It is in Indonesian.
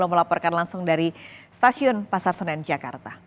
melaporkan langsung dari stasiun pasar senen jakarta